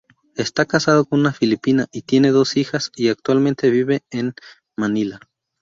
Esta casado con una Filipina y tiene dos hijas y actualmente vive en Manila.